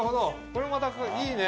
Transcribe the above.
これもまたいいね。